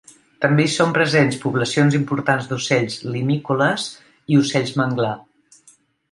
També hi són presents poblacions importants d'ocells limícoles i ocells manglar.